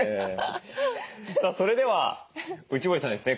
それでは内堀さんにですね